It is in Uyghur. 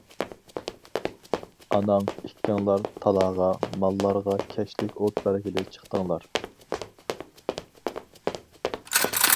ئاناڭ ئىككىڭلار تالاغا ماللارغا كەچلىك ئوت بەرگىلى چىقتىڭلار.